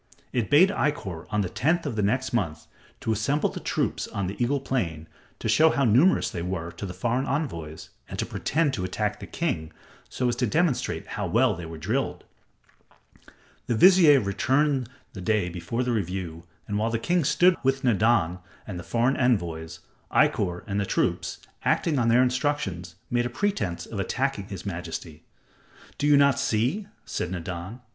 It bade Ikkor on the tenth of the next month to assemble the troops on the Eagle Plain to show how numerous they were to the foreign envoys and to pretend to attack the king, so as to demonstrate how well they were drilled. The vizier returned the day before the review, and while the king stood with Nadan and the foreign envoys, Ikkor and the troops, acting on their instructions, made a pretense of attacking his majesty. "Do you not see?" said Nadan.